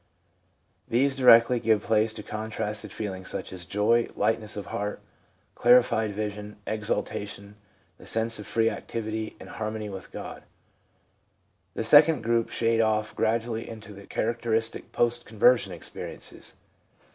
These directly give place to contrasted feelings such as joy, lightness of heart, clarified vision, exultation, the sense of free activity and harmony with God. The second group shade off gradually into the characteristic post conversion experiences.